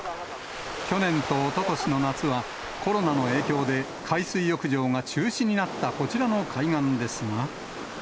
去年とおととしの夏は、コロナの影響で、海水浴場が中止になったこちらの海岸ですが。